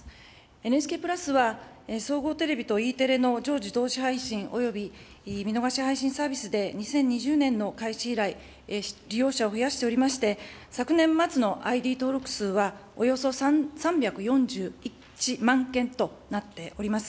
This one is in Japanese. ＮＨＫプラスは、総合テレビとＥテレの常時同時配信および見逃し配信サービスで、２０２０年の開始以来、利用者を増やしておりまして、昨年末のＩＤ登録数は、およそ３４１万件となっております。